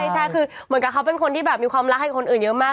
ใช่คือเหมือนกับเขาเป็นคนที่แบบมีความรักให้คนอื่นเยอะมาก